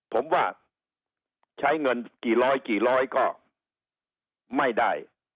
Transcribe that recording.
ผมว่าใช้เงินกี่ร้อยกี่ร้อยก็ไม่ได้